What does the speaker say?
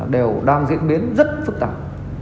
đều đang diễn biến rất phức tạp